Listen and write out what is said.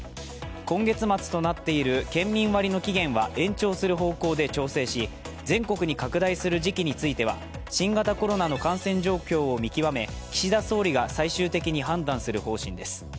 今月末となっている県民割の期限は延長する方向で調整し、全国に拡大する時期については新型コロナの感染状況を見極め、岸田総理が最終的に判断する方針です。